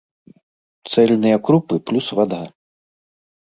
Цэльныя крупы плюс вада.